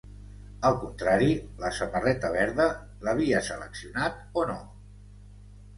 Al contrari, la samarreta verda l'havia seleccionat o no?